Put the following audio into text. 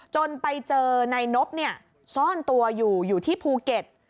จนไปเจอนายนบซ่อนตัวอยู่อยู่ที่ภูเก็ต